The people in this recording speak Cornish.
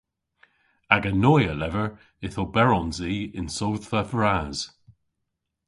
Aga noy a lever yth oberons i yn sodhva vras.